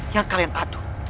yang kalian adu